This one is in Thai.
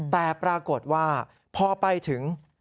แต่ปรากฏว่าพอไปถึง